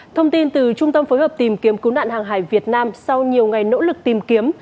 thông tin từ trung tâm phối hợp tìm kiếm cứu nạn hàng hải việt nam sau nhiều ngày nỗ lực tìm kiếm